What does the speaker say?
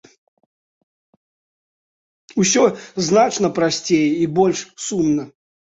Усё значна прасцей і больш сумна.